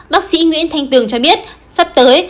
bác sĩ nguyễn thanh tường cho biết sắp tới